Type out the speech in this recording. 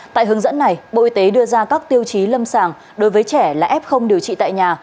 tại hướng dẫn này bộ y tế đưa ra các tiêu chí lâm sàng đối với trẻ là f điều trị tại nhà